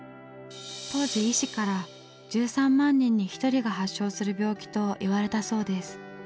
当時医師から１３万人に１人が発症する病気と言われたそうです。